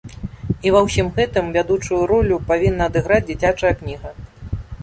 І ва ўсім гэтым вядучую ролю павінна адыграць дзіцячая кніга.